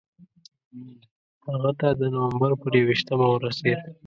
هغه ته د نومبر پر یوویشتمه ورسېد.